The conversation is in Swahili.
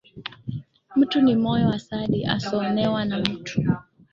Mtu ni moyo asadi, asoonewa na mtu